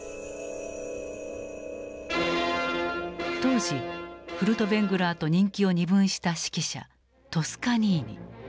当時フルトヴェングラーと人気を二分した指揮者トスカニーニ。